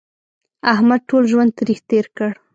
احمد ټول ژوند تریخ تېر کړ.